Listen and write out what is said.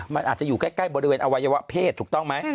มันอาจจะอยู่ใกล้บริเวณอวัยวะเพศถูกต้องไหม